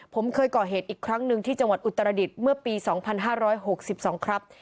ผมเคยก่อเหตุอีกครั้งหนึ่งที่จังหวัดอุตรดิษฐ์เมื่อปีสองพันห้าร้อยหกสิบสองครับ